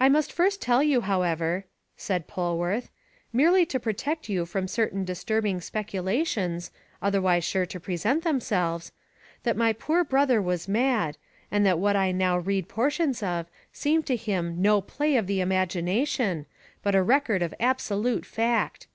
"I must first tell you, however," said Polwarth, "merely to protect you from certain disturbing speculations, otherwise sure to present themselves, that my poor brother was mad, and that what I now read portions of seemed to him no play of the imagination, but a record of absolute fact.